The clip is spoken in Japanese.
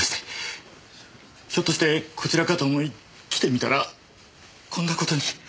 ひょっとしてこちらかと思い来てみたらこんな事に。